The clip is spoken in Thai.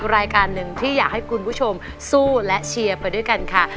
รายการหนึ่งที่อยากให้คุณผู้ชมสู้และเชียร์ไปด้วยกันค่ะ